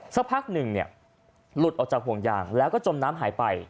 สักพักหนึ่งหลุดออกจากห่วงยางแล้วก็จมน้ำหายไป